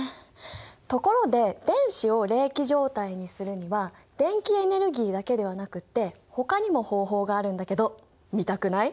ところで電子を励起状態にするには電気エネルギーだけではなくってほかにも方法があるんだけど見たくない？